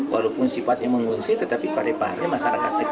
walaupun sifatnya mengungsi tetapi parepare masyarakat